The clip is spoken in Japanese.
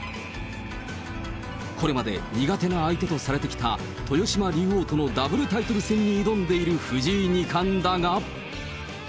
これまで苦手な相手とされてきた豊島竜王とのダブルタイトル戦に挑んでいる藤井二冠だが。